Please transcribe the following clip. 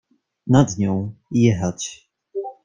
Nad nią — „jechać”.